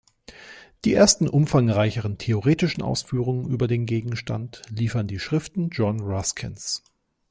Die ersten umfangreicheren theoretischen Ausführungen über den Gegenstand liefern die Schriften John Ruskins.